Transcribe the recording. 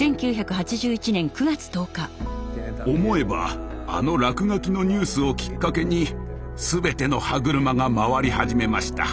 思えばあの落書きのニュースをきっかけに全ての歯車が回り始めました。